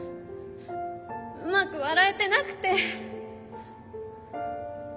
うまく笑えてなくて。